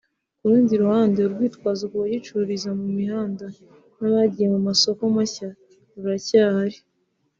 Ku rundi ruhande urwitwazo ku bagicururiza mu mihanda n’abagiye mu masoko mashya ruracyahari